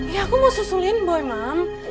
ya aku mau susulin boy mam